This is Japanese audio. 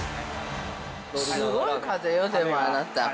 ◆すごい風よ、でも、あなた。